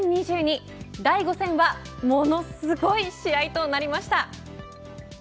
第５戦はものすごい試合となりました。